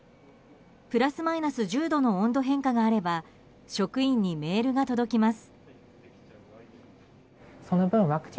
プラスマイナス１０度の温度変化があれば職員にメールが届きます。